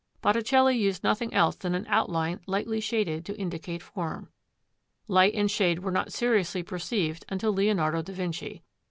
Botticelli used nothing else than an outline lightly shaded to indicate form. Light and shade were not seriously perceived until Leonardo da Vinci.